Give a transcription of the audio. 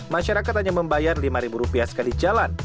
masyarakat hanya membayar rp lima sekali jalan